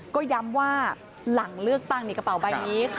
ก็ย้ำว่าหลังเลือกตั้งในกระเป๋าใบนี้ค่ะ